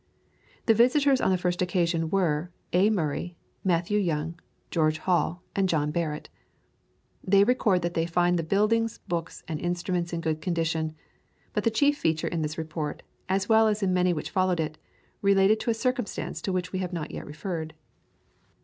The visitors on the first occasion were A. Murray, Matthew Young, George Hall, and John Barrett. They record that they find the buildings, books and instruments in good condition; but the chief feature in this report, as well as in many which followed it, related to a circumstance to which we have not yet referred.